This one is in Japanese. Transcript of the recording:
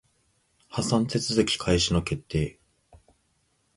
破産手続開始の決定